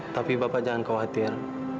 tapi bapak jangan khawatir